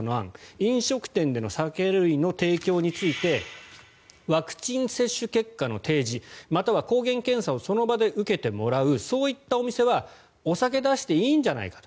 飲食店での酒類の提供についてワクチン接種結果の提示または抗原検査をその場で受けてもらうそういったお店はお酒を出していいんじゃないかと。